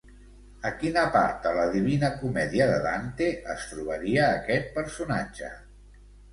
A quina part de la Divina Comèdia de Dante es trobaria aquest personatge?